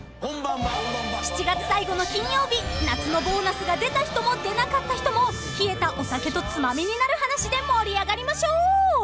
［７月最後の金曜日夏のボーナスが出た人も出なかった人も冷えたお酒と『ツマミになる話』で盛り上がりましょう］